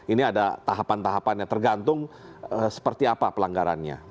ini ada tahapan tahapan yang tergantung seperti apa pelanggarannya